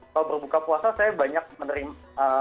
kalau berbuka puasa saya banyak menerima